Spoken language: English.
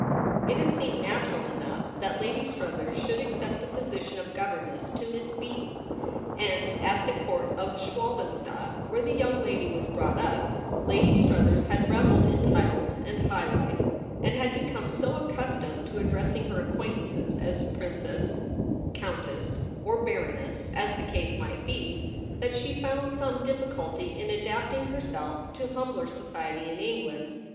It had seemed natural enough that Lady Struthers should accept the position of governess to Miss Beaton ; and at the Court of Schwalbenstadt, where the young lady was brought up, Lady Struthers had revelled in titles and high life, and had become so accus tomed to addressing her acquaintances as princess, countess, or baroness, as the case might be, that she found some difficulty in adapting herself to humbler society in England.